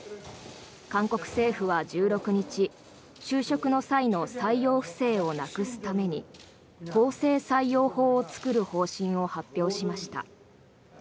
韓国政府は１６日就職の際の採用不正をなくすために公正採用法を作る方針を発表しました。